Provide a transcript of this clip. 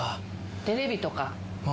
テレビとか。